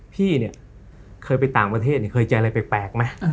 พี่เนี่ยเคยไปต่างประเทศเนี่ยเคยเจออะไรแปลกไหม